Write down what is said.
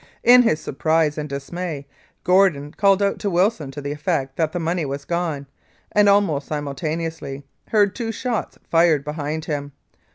In his surprise and dismay, Gordon called out to Wilson to the effect that the money was gone, and almost simultaneously heard two shots fired behind him.